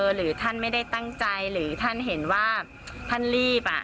หรือท่านไม่ได้ตั้งใจหรือท่านเห็นว่าท่านรีบ